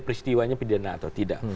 peristiwanya pidana atau tidak